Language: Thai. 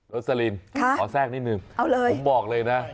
โรซาลีนขอแทรกนิดหนึ่งผมบอกเลยนะ